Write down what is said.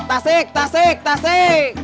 tasik tasik tasik